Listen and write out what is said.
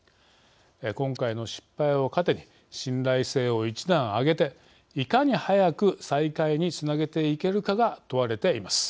今回の失敗を糧に信頼性を一段上げていかに早く再開につなげていけるかが問われています。